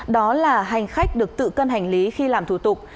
đó là hành khách được tự cân hành lý khi làm thủ tục